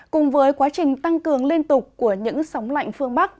cùng với quá trình tăng cường liên tục của những sóng lạnh phương bắc